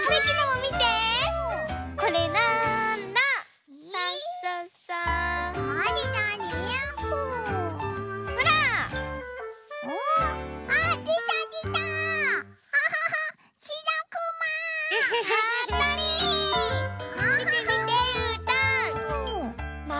みてみてうーたん。